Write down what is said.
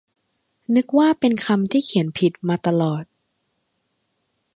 นึกว่าเป็นคำที่เขียนผิดมาตลอด